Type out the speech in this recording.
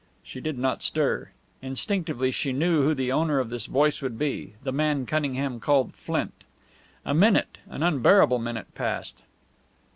She did not stir. Instinctively she knew who the owner of this voice would be the man Cunningham called Flint. A minute an unbearable minute passed.